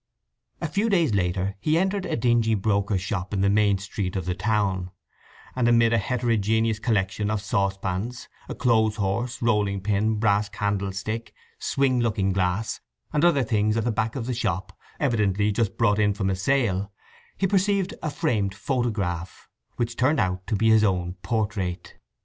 A few days later he entered a dingy broker's shop in the main street of the town, and amid a heterogeneous collection of saucepans, a clothes horse, rolling pin, brass candlestick, swing looking glass, and other things at the back of the shop, evidently just brought in from a sale, he perceived a framed photograph, which turned out to be his own portrait.